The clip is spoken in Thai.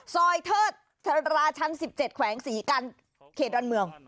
ซอยเทิดราชัน๑๗แขวงศรีกันเขตดอนเมือง